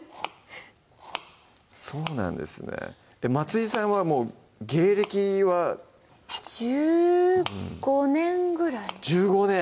そうなんですね松井さんはもう芸歴は１５年ぐらい１５年！